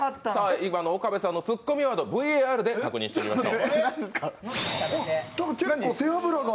今の岡部さんのツッコミワードＶＡＲで確認してみましょう。